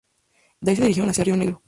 De ahí se dirigieron hacia Río Negro.